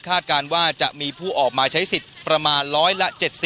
การว่าจะมีผู้ออกมาใช้สิทธิ์ประมาณ๑๗๐